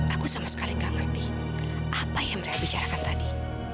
aku tidak tahu apa yang mereka katakan tadi